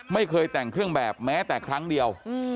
ไม่เคยแต่งเครื่องแบบแม้แต่ครั้งเดียว